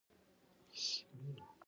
د الزایمر د مخنیوي لپاره کوم چای وڅښم؟